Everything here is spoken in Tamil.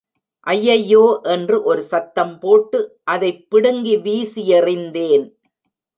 ஐயையோ என்று ஒரு சத்தம் போட்டு அதைப் பிடுங்கி வீசியெறிந்தேன்.